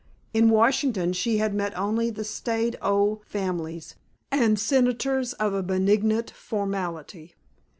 In Washington she had met only the staid old families, and senators of a benignant formality.